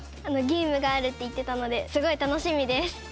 ゲームがあるって言ってたのですごい楽しみです。